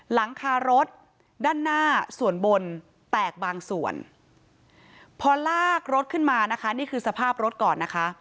หลังคารถด้านหน้าส่วนบนแตกบางส่วนพอลากรถขึ้นมานะคะนี่คือสภาพรถก่อนนะคะ